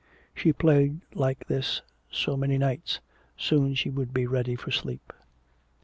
She played like this so many nights. Soon she would be ready for sleep.